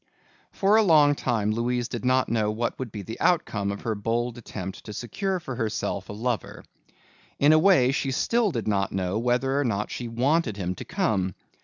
For a long time Louise did not know what would be the outcome of her bold attempt to secure for herself a lover. In a way she still did not know whether or not she wanted him to come.